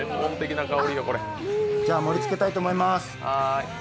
じゃ、盛りつけたいと思います。